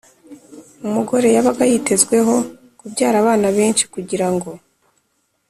Umugore yabaga yitezweho kubyara abana benshi kugira ngo